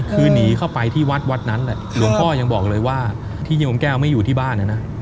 คือหนีเข้าไปที่วัดวัดนั้นแหละหลวงพ่อยังบอกเลยว่าที่โยมแก้วไม่อยู่ที่บ้านนะนะ